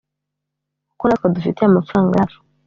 kuko natwe adufitiye amafaranga yacu…